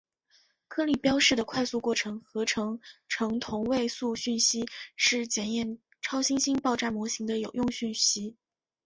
颗粒标示的快速过程核合成同位素讯息是检验超新星爆炸模型的有用讯息。